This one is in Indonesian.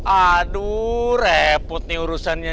aduh reput nih urusannya